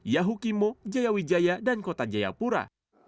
yahukimo jayawijaya dan kota jayapura